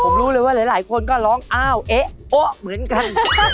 ผมรู้เลยว่าหลายคนก็ร้องอ้าวเอ๊ะโอ๊ะเหมือนกัน